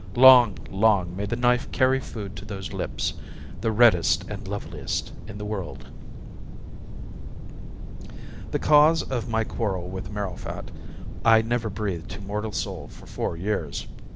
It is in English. long, long may the knife carry food to those lips! the reddest and loveliest in the world! The cause of my quarrel with Marrowfat I never breathed to mortal soul for four years.